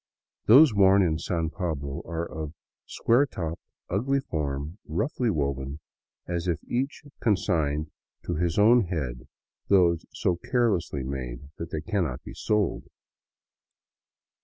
Those worn in San Pablo are of a square topped, ugly form, roughly woven, as if each consigned to his own head those so carelessly made that they cannot be sold.